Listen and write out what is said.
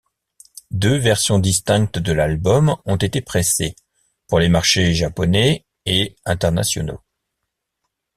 Deux versions distinctes de l'album ont été pressées, pour les marchés japonais et internationaux.